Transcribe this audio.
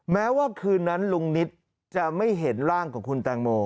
แม้ว่าคืนนั้นลุงนิตจะไม่เห็นร่างของคุณแตงโม